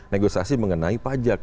negosiasi mengenai pajak